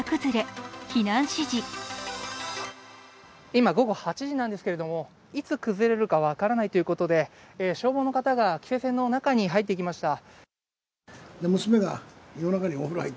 今午後８時なんですけど、いつ崩れるか分からないということで、消防の方が規制線の中に入っていきました。